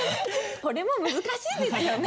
これも難しいですよね。